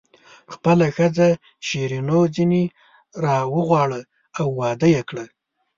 خپله ښځه شیرینو ځنې راوغواړه او واده یې کړه.